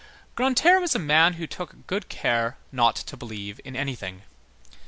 Grantaire was a man who took good care not to believe in anything.